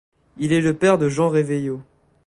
Il est le père de Jean Réveillaud.